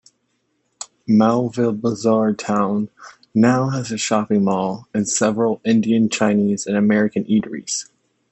Moulvibazar town now has a shopping mall and several Indian, Chinese and American eateries.